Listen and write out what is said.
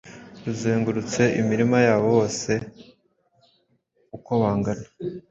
Ruzengurutse imirima yabo bose ukobangana